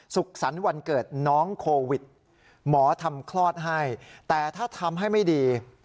สุขสรรค์วันเกิดน้องโควิดหมอทำคลอดให้แต่ถ้าทำให้ไม่ดี